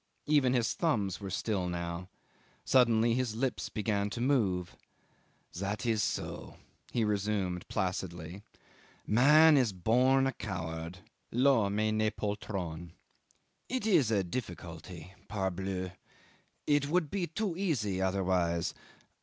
Even his thumbs were still now. Suddenly his lips began to move. "That is so," he resumed placidly. "Man is born a coward (L'homme est ne poltron). It is a difficulty parbleu! It would be too easy other vise.